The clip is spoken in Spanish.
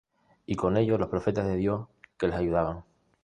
y con ellos los profetas de Dios que les ayudaban.